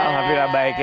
alhamdulillah baik ya